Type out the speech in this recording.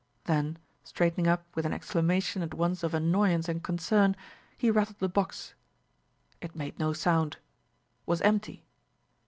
Then, straightening up with an exclamation at once of annoyance and concern, he rattled the box; it made no sound, was empty.